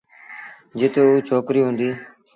جت اُ ڇوڪريٚ هُݩديٚ۔